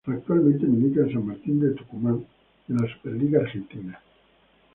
Actualmente milita en San Martín de Tucumán de la Superliga Argentina.